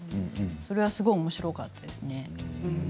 それはすごくおもしろかったです。